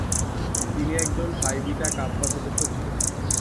তিনি একজন Phi Beta Kappa সদস্য ছিলেন।